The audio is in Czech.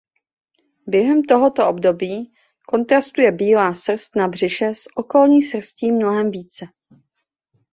Během tohoto období kontrastuje bílá srst na břiše s okolní srstí mnohem více.